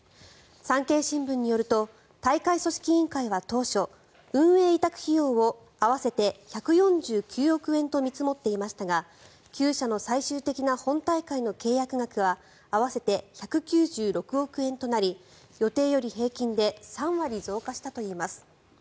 産経新聞によると大会組織委員会は、当初運営委託費用を合わせて１４９億円と見積もっていましたが９社の最終的な本大会の契約額は合わせて１９６億円となり予定より平均で３割増加したといいます。